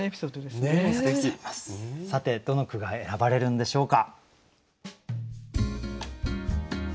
さてどの句が選ばれるんでしょうか。